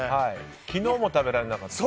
昨日も食べられなかった。